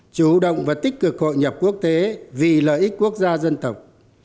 chủ động và tích cực hội nhập quốc tế vì lợi ích quốc gia dân tộc